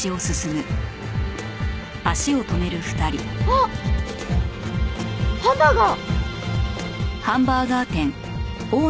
あっハンバーガー！